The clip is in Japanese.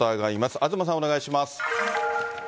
東さん、お願いします。